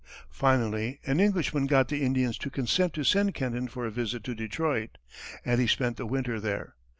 Finally, an Englishman got the Indians to consent to send Kenton for a visit to Detroit, and he spent the winter there.